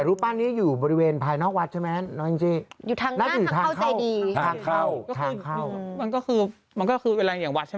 รูปปั้นนี้อยู่บริเวณภายนอกวัดใช่ไหม